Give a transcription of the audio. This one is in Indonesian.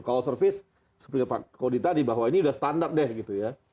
kalau service seperti pak kody tadi bahwa ini sudah standar deh gitu ya